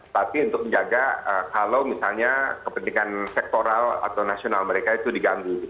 tapi untuk menjaga kalau misalnya kepentingan sektoral atau nasional mereka itu diganggu